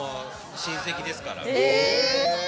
親戚ですから。